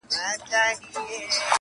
ځي تر قصابانو په مالدار اعتبار مه کوه؛